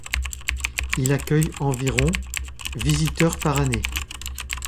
Il accueille environ visiteurs par année.